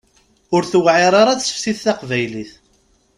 Ur tewɛir ara tseftit taqbaylit.